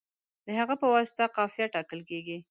د هغه په واسطه قافیه ټاکل کیږي.